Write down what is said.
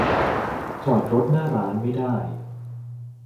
จอดรถหน้าร้านไม่ได้